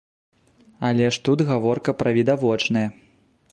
Але ж тут гаворка пра відавочнае.